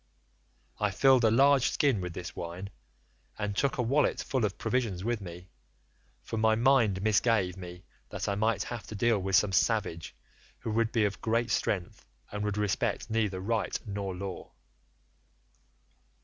I filled a large skin with this wine, and took a wallet full of provisions with me, for my mind misgave me that I might have to deal with some savage who would be of great strength, and would respect neither right nor law.